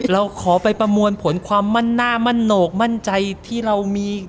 เราขอไปประมวลผลความมั่นหน้ามั่นโหนกมั่นใจที่เรามี